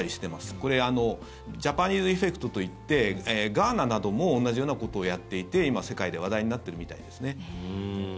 これはジャパニーズ・エフェクトといってガーナなども同じようなことをやっていて今、世界で話題になってるみたいですね。